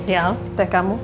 yael teh kamu